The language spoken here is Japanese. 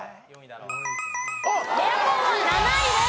エアコンは７位です。